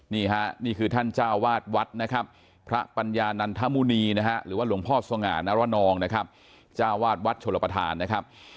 นี่ฮะนี่คือท่านเจ้าวาดวัดนะครับพระปัญญานันทมุณีนะฮะหรือว่าหลวงพ่อสง่านรนองนะครับจ้าวาดวัดชลประธานนะครับ